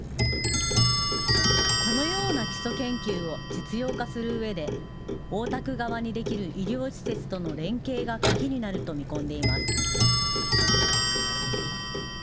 このような基礎研究を実用化するうえで大田区側にできる医療施設との連携が鍵になると見込んでいます。